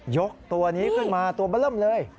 ยกตัวนี้ขึ้นมาตัวเบอร์เริ่มเลย